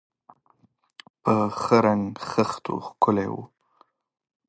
په ښه رنګ خښتو ښکلي و.